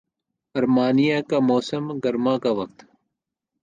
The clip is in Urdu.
آرمینیا کا موسم گرما کا وقت